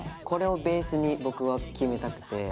これをベースに僕は決めたくて。